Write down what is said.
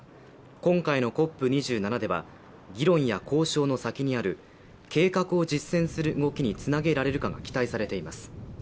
今回のＣＯＰ２７では議論や交渉の先にある計画を実践する動きにつなげられるかが期待されています